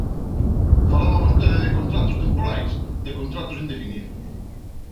Falaba vostede de contratos temporais, de contratos indefinidos.